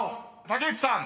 竹内さん？